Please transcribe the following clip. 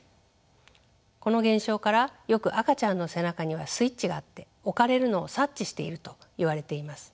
この現象からよく赤ちゃんの背中にはスイッチがあって置かれるのを察知しているといわれています。